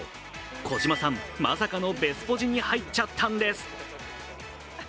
児嶋さん、まさかのベスポジに入っちゃったんです。